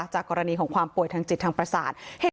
จากกรณีของความป่วยทางจิตทางประสาท